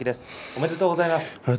おめでとうございます。